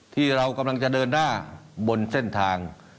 ที่เรากำลังจะเดินหน้าบนเส้นทาง